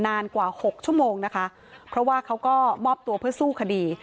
นานกว่าหกชั่วโมงนะคะเพราะว่าเขาก็มอบตัวเพื่อสู้คดี